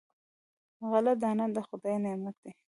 غله دانه د خدای نعمت دی.